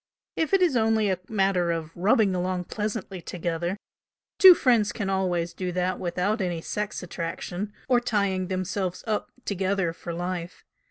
If it is only a matter of 'rubbing along pleasantly together' two friends can always do that without any 'sex' attraction, or tying themselves up together for life.